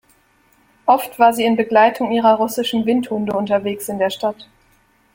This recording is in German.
Oft war sie in Begleitung ihrer russischen Windhunde unterwegs in der Stadt.